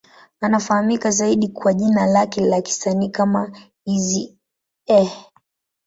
Anafahamika zaidi kwa jina lake la kisanii kama Eazy-E.